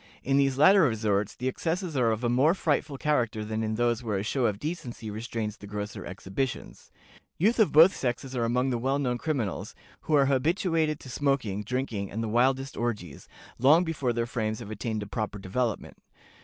In these latter resorts the excesses are of a more frightful character than in those where a show of decency restrains the grosser exhibitions; youth of both sexes are among the well known criminals, who are habituated to smoking, drinking, and the wildest orgies, long before their frames have attained a proper development.